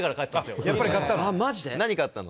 伊達：やっぱり買ったの？